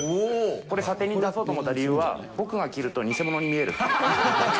これ、査定に出そうと思った理由は、僕が着ると偽物に見えるっていう。